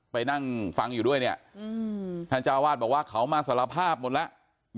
ไปนั่งฟังอยู่ด้วยเนี่ยท่านเจ้าวาดบอกว่าเขามาสารภาพหมดแล้ว